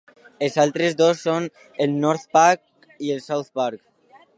Els altres dos són el North Park i el South Park.